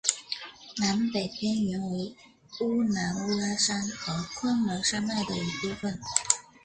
南北边缘为乌兰乌拉山和昆仑山脉的一部分。